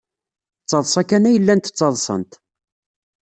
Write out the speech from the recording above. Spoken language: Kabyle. D taḍsa kan ay llant ttaḍsant.